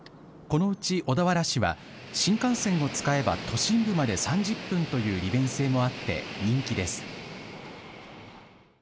このうち小田原市は新幹線を使えば都心部まで３０分という利便性もあって人気です。